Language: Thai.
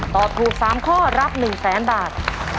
ตอบถูก๓ข้อรับ๑๐๐๐๐๐บาท